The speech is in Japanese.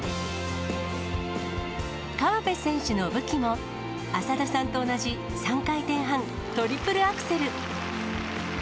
河辺選手の武器も、浅田さんと同じ、３回転半・トリプルアクセル。